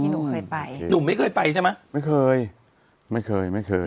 หนูเคยไปหนูไม่เคยไปใช่ไหมไม่เคยไม่เคยไม่เคยไม่เคย